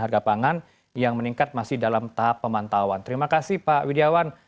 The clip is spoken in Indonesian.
harga pangan yang meningkat masih dalam tahap pemantauan terima kasih pak widjawan